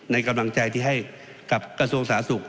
ในกำลังใจที่ให้กับกระทรวงสาธารณสุข